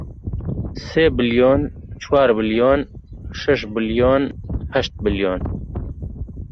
سێ بلیۆن، چوار بلیۆن، شەش بلیۆن، هەشت بلیۆن